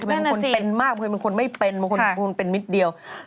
มันมีคนเป็นมากมีคนเป็นไม่เป็นมีคนเป็นมิตรเดียว